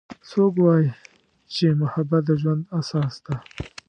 څوک وایي چې محبت د ژوند اساس ده